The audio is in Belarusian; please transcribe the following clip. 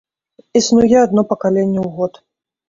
Існуе адно пакаленне ў год.